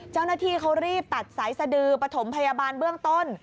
เจ้าหน้าที่เขารีบตัดสายสดือปฐมพยาบาลเบื้องต้น